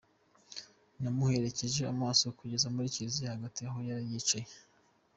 Namuherekeje amaso, kugeza mu kiliziya hagati aho yari yicaye.